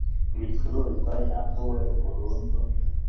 ibicuruzwa yambuwe burundu